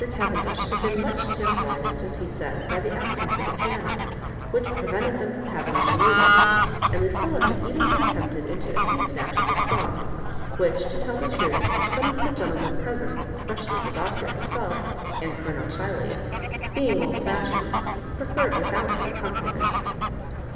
Cavendish had been much tantalised, as he said, by the absence of the piano, which prevented them from having any music, and Lucilla had even been tempted into a few snatches of song, which, to tell the truth, some of the gentlemen present, especially the Doctor himself and Colonel Chiley, being old feshioned, preferred without the accompaniment.